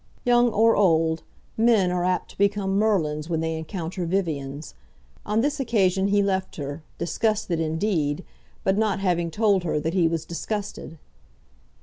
Young or old, men are apt to become Merlins when they encounter Viviens. On this occasion he left her, disgusted indeed, but not having told her that he was disgusted.